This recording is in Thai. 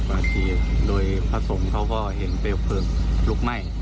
๔๐กว่านาทีโดยพระทรงเขาก็เห็นเปรียบเผิกลุกไหม้